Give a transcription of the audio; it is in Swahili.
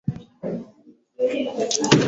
mbinguni limejengwa katika udhanifu wa kizamani juu